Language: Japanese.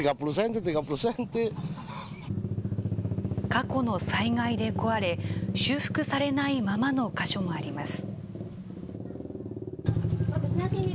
過去の災害で壊れ、修復されないままの箇所もあります。